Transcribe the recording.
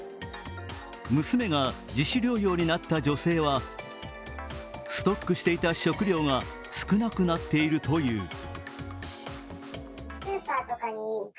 娘が自主療養になった女性はストックしていた食料が少なくなっているという。